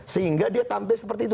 sehingga dia tampil seperti itu